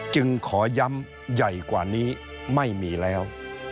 จึงขอย้ำใหญ่กว่านี้ไม่มีแล้ว